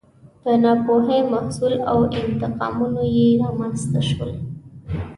د ناپوهۍ محصول و او انتقامونه یې رامنځته کړل.